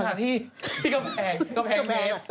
กินค่ะที่กระแพงเทพ